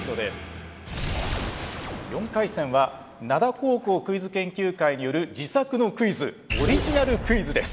４回戦は灘高校クイズ研究会による自作のクイズオリジナルクイズです。